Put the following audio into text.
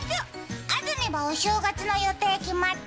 安住はお正月の予定決まった？